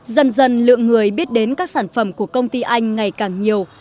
dần dần lượng người biết đến các sản phẩm của công ty anh ngày càng nhiều